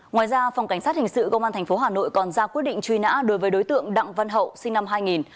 ngoài ra phòng cảnh sát hình sự công an tp hà nội còn ra quyết định truy nã đối với đối tượng đặng văn hậu sinh năm hai nghìn